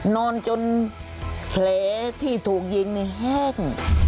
นอนจนแผลที่ถูกยิงนี่แห้ง